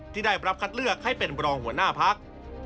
ที่ได้รับคัดเลือกให้เป็นบรองหัวหน้าพัก